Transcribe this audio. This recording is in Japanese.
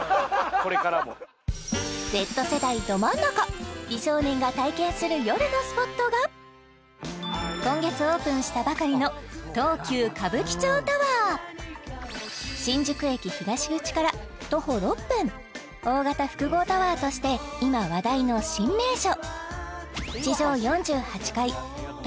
これからもＺ世代ど真ん中今月オープンしたばかりの東急歌舞伎町タワー新宿駅東口から徒歩６分大型複合タワーとして今話題の新名所